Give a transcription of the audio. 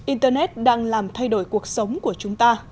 internet đang làm thay đổi cuộc sống của chúng ta